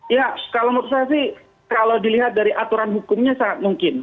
ya kalau menurut saya sih kalau dilihat dari aturan hukumnya sangat mungkin